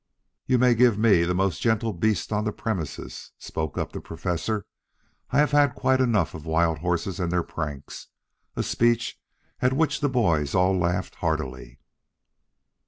"You may give me the most gentle beast on the premises," spoke up the Professor. "I have had quite enough of wild horses and their pranks," a speech at which the boys all laughed heartily.